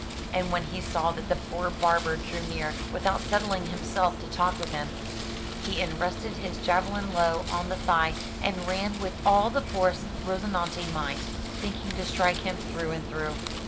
And when he saw that the poor barber drew near, without settling himself to talk with him, he in rested his javelin low on the thigh, and ran with all the force Rozi nante might, thinking to strike him through and through.